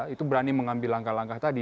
itu berani mengambil langkah langkah tadi